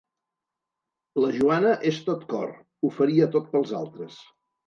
La Joana és tot cor: ho faria tot pels altres.